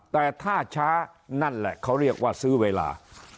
แต่ถ้าช้านั่นแหละเขาเรียกว่าซื้อเวลา